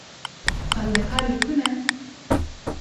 Xwendekar li ku ne?